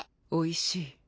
おいしい。